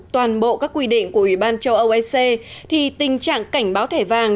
toàn bộ các quy định của ủy ban châu âu ec thì tình trạng cảnh báo thẻ vàng